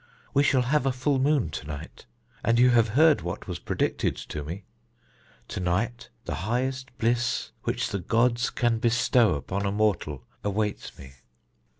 We shall have a full moon to night, and you have heard what was predicted to me to night the highest bliss which the gods can bestow upon a mortal awaits me."